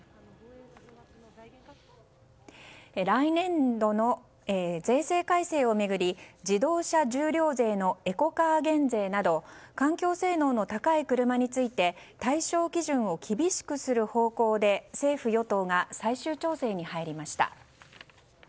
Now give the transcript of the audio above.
来年度の税制改正を巡り自動車重量税のエコカー減税など環境性能の高い車について対象基準を厳しくする方向で政府・与党が最終調整に入りました。